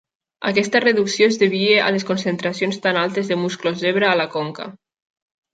Aquesta reducció es devia a les concentracions tan altes de musclos zebra a la conca.